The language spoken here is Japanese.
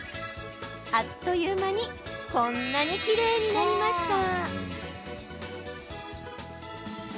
あっという間にこんなにきれいになりました。